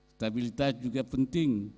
stabilitas juga penting